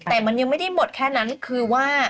แต่มันยังไม่ได้หมดแค่นั้นคือว่า